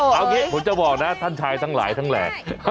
เอางี้ผมจะบอกนะท่านชายทั้งหลายทั้งแหลก